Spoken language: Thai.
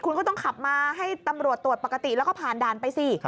คุณก็ต้องขับมาให้ตำรวจตรวจปกติแล้วก็ผ่านด่านไปสิ